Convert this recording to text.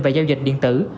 và giao dịch điện tử